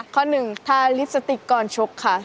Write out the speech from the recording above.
ข้อหนึ่งทาลิปสติกก่อนชกค่ะ